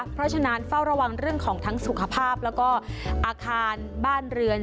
เพราะฉะนั้นเฝ้าระวังเรื่องของทั้งสุขภาพแล้วก็อาคารบ้านเรือน